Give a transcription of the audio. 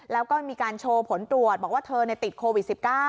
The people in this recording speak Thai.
แล้วก็มีการโชว์ผลตรวจบอกว่าเธอติดโควิด๑๙